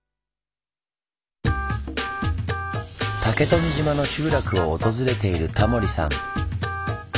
竹富島の集落を訪れているタモリさん。